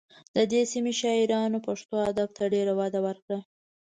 د دې سیمې شاعرانو پښتو ادب ته ډېره وده ورکړه